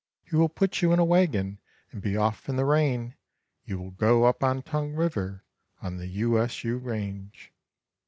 He will put you in a wagon and be off in the rain, You will go up on Tongue River on the U S U range.